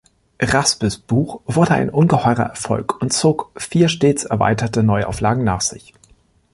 Raspes Buch wurde ein ungeheurer Erfolg und zog vier stets erweiterte Neuauflagen nach sich.